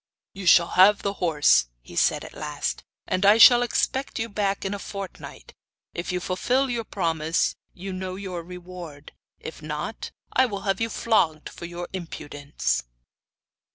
'You shall have the horse,' he said at last, 'and I shall expect you back in a fortnight. If you fulfil your promise you know your reward; if not, I will have you flogged for your impudence.